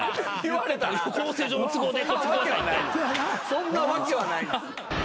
そんなわけはないんすよ。